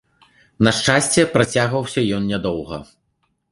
На шчасце, працягваўся ён нядоўга.